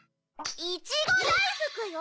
いちごだいふくよ！